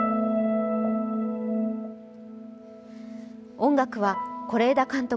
音楽は是枝監督